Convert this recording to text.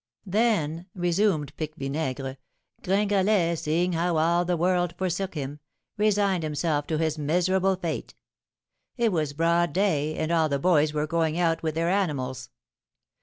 "Then," resumed Pique Vinaigre, "Gringalet, seeing how all the world forsook him, resigned himself to his miserable fate. It was broad day, and all the boys were going out with their animals.